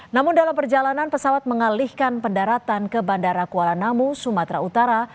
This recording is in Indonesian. namun dalam perjalanan pesawat mengalihkan pendaratan ke bandara kuala namu sumatera utara